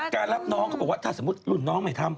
การรับน้องเขาบอกว่าถ้าสมมุติรุ่นน้องไม่ทำ